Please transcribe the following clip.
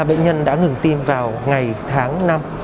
bệnh nhân đã ngừng tin vào ngày tháng năm